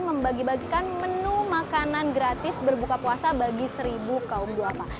membagi bagikan menu makanan gratis berbuka puasa bagi seribu kaum duafa